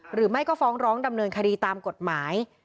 หรือไม่ก็ฟ้องร้องดำเนินคดีตามกฎหมาย